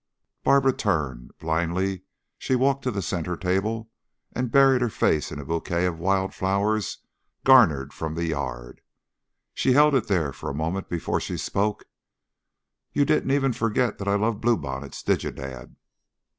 Barbara turned; blindly she walked to the center table and buried her face in a bouquet of wild flowers garnered from the yard. She held it there for a moment before she spoke. "You didn't even forget that I love bluebonnets, did you, dad?"